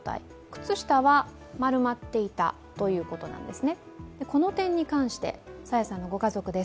靴下は丸まっていたということなんです。